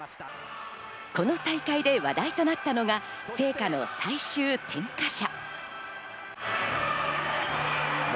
この大会で話題となったのが聖火の最終点火者。